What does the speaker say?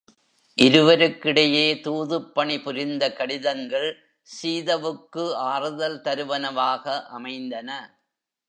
இருவருக்கிடையே தூதுப்பணி புரிந்த கடிதங்கள், சீதவுக்கு ஆறுதல் தருவனவாக அமைந்தன.